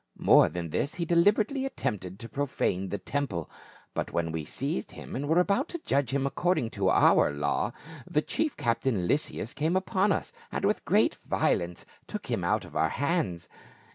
More than this, he deliberately attempted to profane the temple ; but when we seized him and were about to judge him according to our law, the chief captain Lysias came upon us, and with great violence took him out of our hands.